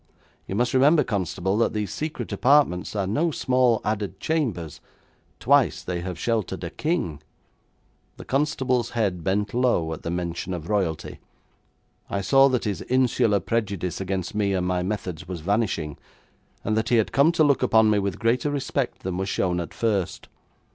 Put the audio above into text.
You must remember, constable, that these secret apartments are no small added chambers. Twice they have sheltered a king.' The constable's head bent low at the mention of royalty. I saw that his insular prejudice against me and my methods was vanishing, and that he had come to look upon me with greater respect than was shown at first.